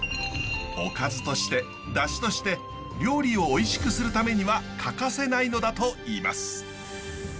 おかずとしてダシとして料理をおいしくするためには欠かせないのだといいます。